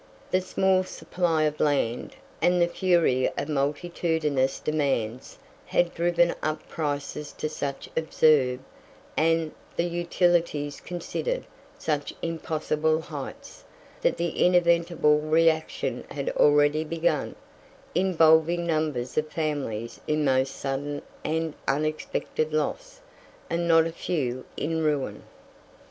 The small supply of land, and the fury of multitudinous demands, had driven up prices to such absurd, and, the utilities considered, such impossible heights, that the inevitable reaction had already begun, involving numbers of families in most sudden and unexpected loss, and not a few in ruin.